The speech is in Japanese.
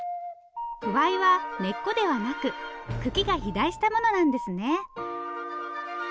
くわいは根っこではなく茎が肥大したものなんですね。